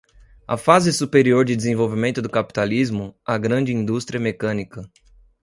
a fase superior de desenvolvimento do capitalismo, a grande indústria mecânica